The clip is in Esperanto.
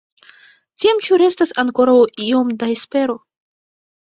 Tiam ĉu restas ankoraŭ iom da espero?